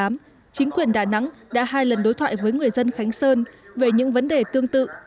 tính từ tháng một mươi năm hai nghìn một mươi tám chính quyền đà nẵng đã hai lần đối thoại với người dân khánh sơn về những vấn đề tương tự